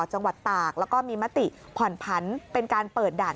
จังหวัดตากแล้วก็มีมติผ่อนผันเป็นการเปิดด่าน